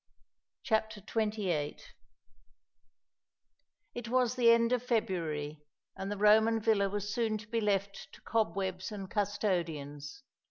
CHAPTER XXVIII It was the end of February, and the Roman villa was soon to be left to cobwebs and custodians.